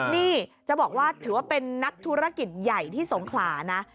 นี่จะบอกว่าถือว่าเป็นนักธุรกิจใหญ่ที่สงขลานะ